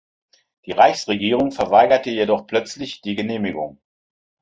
Die Reichsregierung verweigerte jedoch plötzlich die Genehmigung.